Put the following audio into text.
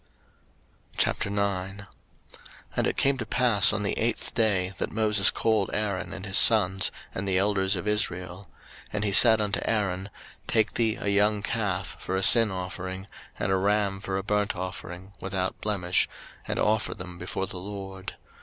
03:009:001 And it came to pass on the eighth day, that Moses called Aaron and his sons, and the elders of Israel; 03:009:002 And he said unto Aaron, Take thee a young calf for a sin offering, and a ram for a burnt offering, without blemish, and offer them before the LORD.